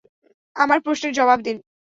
আমার প্রশ্নের জবাব দিন।